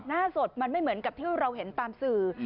หน้าสดมันไม่เหมือนกับที่เราเห็นตามสื่อ